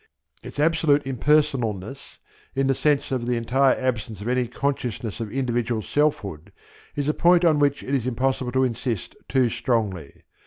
Its absolute impersonalness, in the sense of the entire absence of any consciousness of individual selfhood, is a point on which it is impossible to insist too strongly.